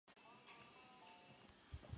爵波恩君。